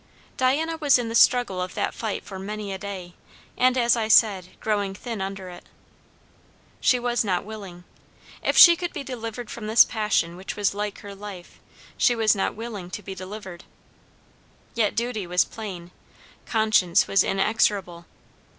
Diana was in the struggle of that fight for many a day, and, as I said, growing thin under it. She was not willing; if she could be delivered from this passion which was like her life, she was not willing to be delivered. Yet duty was plain; conscience was inexorable.